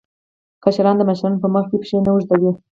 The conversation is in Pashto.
کشران د مشرانو په مخ کې پښې نه اوږدوي.